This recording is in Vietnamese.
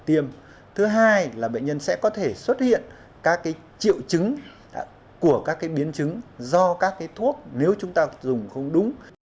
thứ hai là bệnh nhân sẽ có thể xuất hiện các triệu chứng của các biến chứng do các thuốc nếu chúng ta dùng không đúng